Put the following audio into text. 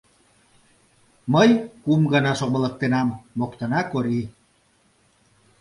Мый кум гана сомылыктенам, — моктана Кори.